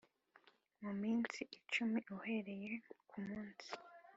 Mu minsi icumi uhereye ku munsi